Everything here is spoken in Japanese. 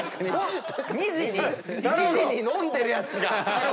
２時に飲んでるやつ。